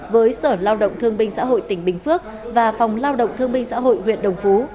với sở lao động thương binh xã hội tỉnh bình phước và phòng lao động thương binh xã hội huyện đồng phú